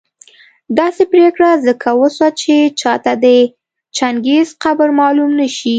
داسي پرېکړه ځکه وسوه چي چاته د چنګېز قبر معلوم نه شي